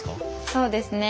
そうですね。